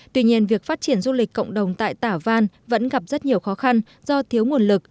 tuy nhiên việc phát triển du lịch cộng đồng tại tả văn vẫn gặp rất nhiều khó khăn do thiếu nguồn lực